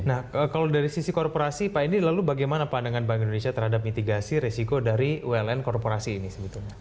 nah kalau dari sisi korporasi pak edi lalu bagaimana pandangan bank indonesia terhadap mitigasi resiko dari uln korporasi ini sebetulnya